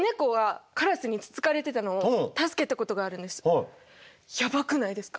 で私がやばくないですか？